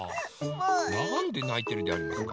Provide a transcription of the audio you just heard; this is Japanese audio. なんでないてるでありますか？